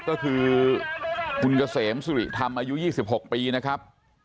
ก็คือคุณเกษมสุริธรรมอายุ๒๖ปีนะครับ